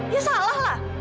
ya salah lah